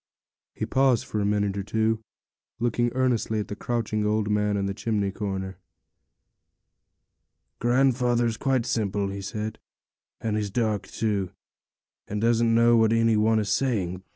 He paused for a minute or two, looking earnestly at the crouching old man in the chimney corner. 'Grandfather's quite simple,' he said, 'and he's dark, too, and doesn't know what any one is saying.